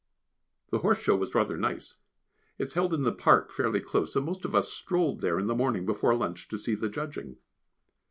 The Horse Show was rather nice; it is held in the park fairly close, and most of us strolled there in the morning before lunch to see the judging.